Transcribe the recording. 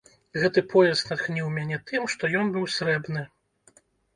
Гэты пояс натхніў мяне тым, што ён быў срэбны.